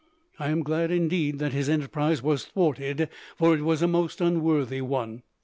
I am glad, indeed, that his enterprise was thwarted, for it was a most unworthy one.